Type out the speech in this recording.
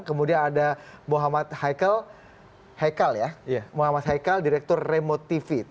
kemudian ada mohamad haikal direktur remotivit